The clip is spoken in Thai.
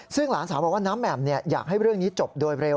ซึ่งหลานสาวบอกว่าน้ำแหม่มอยากให้เรื่องนี้จบโดยเร็ว